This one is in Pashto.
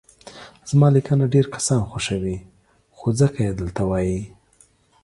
زما ليکنه ډير کسان خوښوي نو ځکه يي دلته وايي